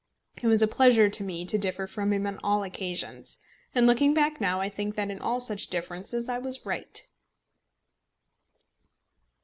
It was a pleasure to me to differ from him on all occasions; and looking back now, I think that in all such differences I was right.